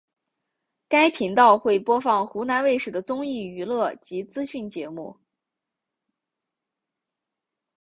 该频道会播放湖南卫视的综艺娱乐及资讯节目。